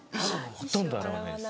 ほとんど洗わないです。